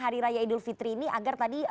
hari raya idul fitri ini agar tadi